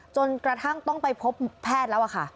จนกระทั่งต้องไปพบแพทย์แล้วค่ะ